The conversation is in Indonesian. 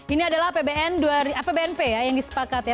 ini adalah pbnp yang disepakat ya